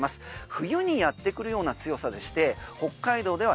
冬にやってくるような強さでして北海道では